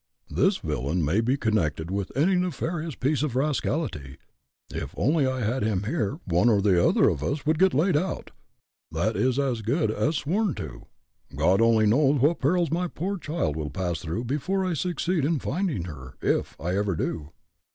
"This villain may be connected with any nefarious piece of rascality. If I only had him here one or the other of us would get laid out that is as good as sworn to. God only knows what perils my poor child will pass through before I succeed in finding her, if I ever do."